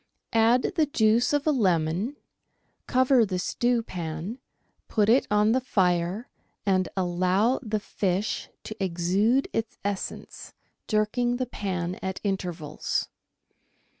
Add the juice of a lemon, cover the stewpan, put it on the fire, and allow the fish to exude its essence, jerking the pan at intervals.